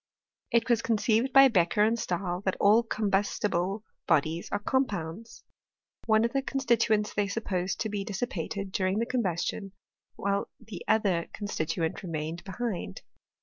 It was conceived by Beccher and Stahl that all combustible bodies are compounds. One of the con stituents they supposed to be dissipated during the combustion, while the other constituent remained be hind.